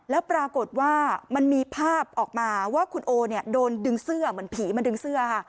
แล้วปรากฏว่ามันมีภาพออกมาว่าคุณโอเนี่ยโดนดึงเสื้อเหมือนผีมาดึงเสื้อค่ะ